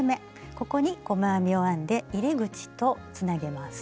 ここに細編みを編んで入れ口とつなげます。